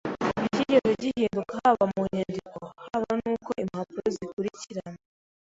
nticyigeze gihinduka haba mu nyandiko, haba n’uko impapuro zikurikirana.